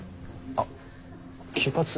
あっ金髪。